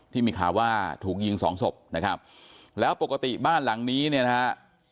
ที่มีข่าวว่าถูกยิงสองศพนะครับแล้วปกติบ้านหลังนี้เนี่ยนะฮะ